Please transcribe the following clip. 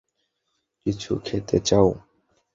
কিছু খেতে চাও?